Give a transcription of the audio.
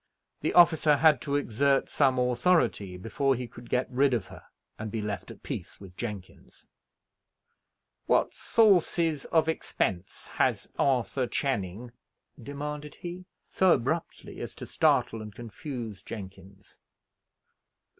The officer had to exert some authority before he could get rid of her, and be left at peace with Jenkins. "What sources of expense has Arthur Channing?" demanded he, so abruptly as to startle and confuse Jenkins.